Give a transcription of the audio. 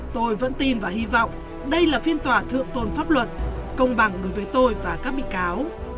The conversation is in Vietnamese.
tôi vẫn tin và hy vọng đây là phiên tòa thượng tôn pháp luật công bằng đối với tôi và các bị cáo